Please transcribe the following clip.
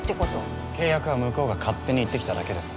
契約は向こうが勝手に言ってきただけです。